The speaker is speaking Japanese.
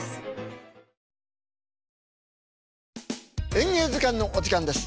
「演芸図鑑」のお時間です。